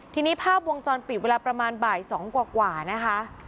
ทีนี้ภาพวงจรปิดเวลาประมาณบ่าย๒กว่านะคะ